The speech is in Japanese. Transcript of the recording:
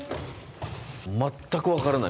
全く分からない。